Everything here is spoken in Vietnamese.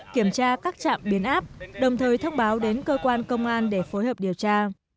kiểm tra các trạm biến áp đồng thời thông báo đến cơ quan công an để phối hợp điều tra